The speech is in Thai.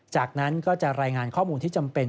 จากนั้นก็จะรายงานข้อมูลที่จำเป็น